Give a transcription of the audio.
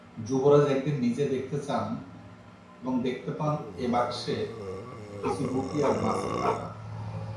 যুবরাজ একদিন নিজে দেখতে চান এবং দেখতে পান এ বাক্সে কিছু রুটি আর মাছের কাটা।